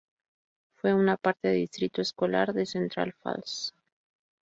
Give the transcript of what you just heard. Fue una parte del Distrito Escolar de Central Falls.